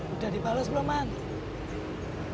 udah dibalas belum bang